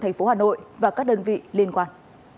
thành phố hà nội và các đơn vị liên quan